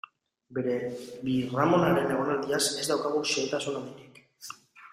Bere birramonaren egonaldiaz ez daukagu xehetasun handirik.